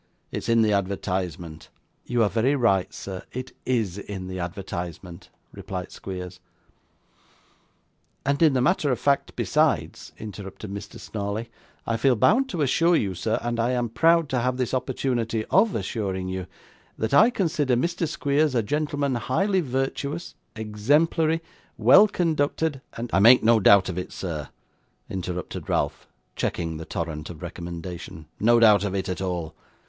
'It's in the advertisement.' 'You are very right, sir; it IS in the advertisement,' replied Squeers. 'And in the matter of fact besides,' interrupted Mr. Snawley. 'I feel bound to assure you, sir, and I am proud to have this opportunity OF assuring you, that I consider Mr. Squeers a gentleman highly virtuous, exemplary, well conducted, and ' 'I make no doubt of it, sir,' interrupted Ralph, checking the torrent of recommendation; 'no doubt of it at all.